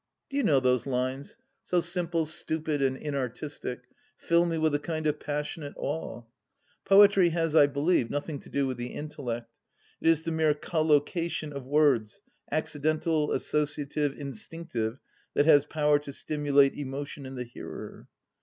" Do you know those lines, so simple, stupid, and inartistic, fill me with a kind of passionate awe. Poetry has, I believe, nothing to do with the intellect ; it is the mere collocation of words, accidental, associative, instinctive, that has power to stimulate emotion in the hearer.